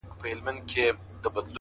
حوصله د ستونزو دروازه پرانیزي!